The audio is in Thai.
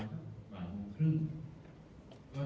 ผู้บังคับการตำรวจบูธรจังหวัดเพชรบูนบอกว่าจากการสอบสวนนะครับ